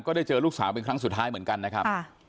ได้เจอลูกสาวเป็นครั้งสุดท้ายเหมือนกันนะครับ